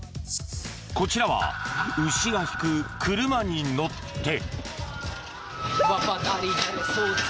こちらは牛が引く車に乗って。